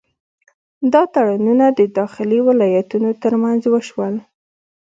دا تړونونه د داخلي ولایتونو ترمنځ وشول.